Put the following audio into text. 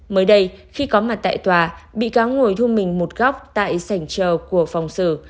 mới đây khi có mặt tại tòa bị cáo ngồi thu mình một góc tại sảnh trờ của phòng xử